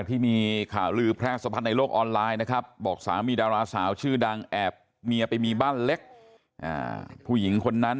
แต่เราก็งงเราว่าแปลกละ